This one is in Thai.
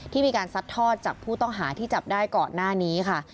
ที่มีการซัดทอดจากผู้ต้องหาที่จับได้ก่อนหน้านี้ค่ะ